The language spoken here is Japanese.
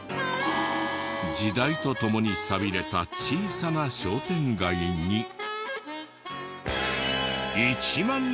時代とともに寂れた小さな商店街に。